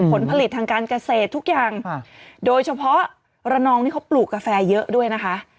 ผลผลิตทางการเกษตรทุกอย่างโดยเฉพาะระนองนี่เขาปลูกกาแฟเยอะด้วยนะคะ